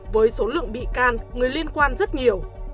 với số lượng bị can người liên quan rất nhiều